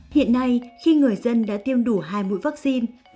hiện nay khi người dân đã tiêm đủ hai mũi vaccine